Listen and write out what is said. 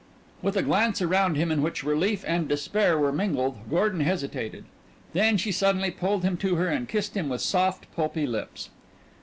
With a glance around him in which relief and despair were mingled, Gordon hesitated; then she suddenly pulled him to her and kissed him with soft, pulpy lips.